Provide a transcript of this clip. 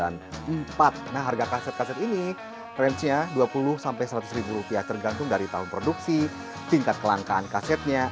nah harga kaset kaset ini range nya dua puluh seratus ribu rupiah tergantung dari tahun produksi tingkat kelangkaan kasetnya